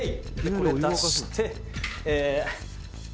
「これを出して」